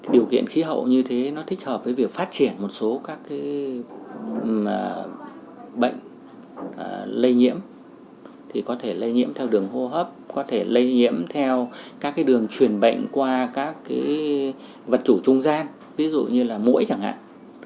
điều kiện khí hậu như thế nó thích hợp với việc phát triển một số các bệnh lây nhiễm thì có thể lây nhiễm theo đường hô hấp có thể lây nhiễm theo các đường truyền bệnh qua các vật chủ trung gian ví dụ như là mũi chẳng hạn